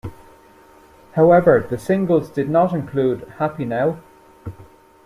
However, "The Singles" did not include "Happy Now?